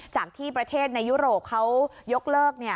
จากที่ประเทศในยุโรปเขายกเลิก